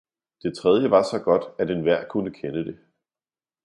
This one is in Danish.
det tredje var så godt, at enhver kunne kende det.